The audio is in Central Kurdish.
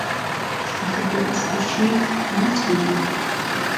ئاخر بێ ئهسپ و شير ناچمه ماڵ